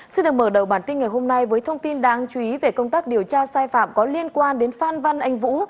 xin được mở đầu bản tin ngày hôm nay với thông tin đáng chú ý về công tác điều tra sai phạm có liên quan đến phan văn anh vũ